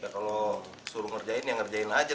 kalau suruh ngerjain ya ngerjain aja